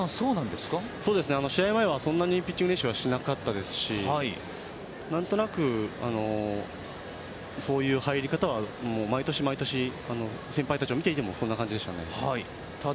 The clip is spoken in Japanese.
試合前はそんなにピッチング練習はしなかったですし、何となく、そういう入り方は毎年毎年先輩たちを見ていてもそんな感じでした。